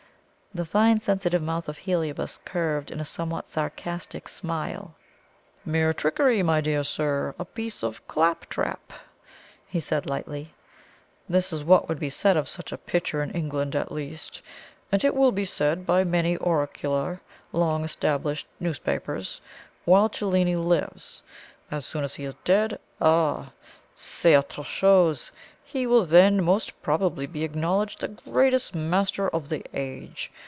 The fine sensitive mouth of Heliobas curved in a somewhat sarcastic smile. "Mere trickery, my dear sir a piece of clap trap," he said lightly. "That is what would be said of such pictures in England at least. And it WILL be said by many oracular, long established newspapers, while Cellini lives. As soon as he is dead ah! c'est autre chose! he will then most probably be acknowledged the greatest master of the age.